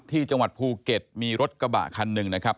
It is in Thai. ที่จังหวัดภูเก็ตมีรถกระบะคันหนึ่งนะครับ